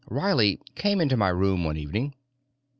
Riley came into my room one evening.